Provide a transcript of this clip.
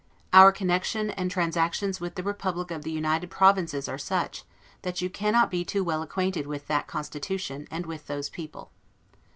Our connection and transactions with the Republic of the United Provinces are such, that you cannot be too well acquainted with that constitution, and with those people.